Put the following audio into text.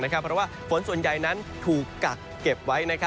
เพราะว่าฝนส่วนใหญ่นั้นถูกกักเก็บไว้